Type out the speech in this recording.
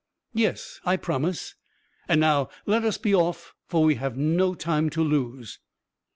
"Yes; I promise; and now let us be off, for we have no time to lose."